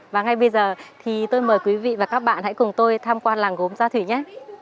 và ngay bây giờ thì tôi mời quý vị và các bạn hãy cùng tôi tham quan làng gốm gia thủy nhé